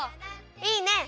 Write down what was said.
いいね！